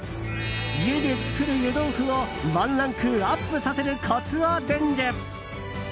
家で作る湯豆腐をワンランクアップさせるコツを伝授。